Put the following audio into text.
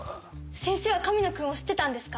先生は神野くんを知ってたんですか？